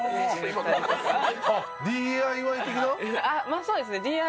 まあそうですね。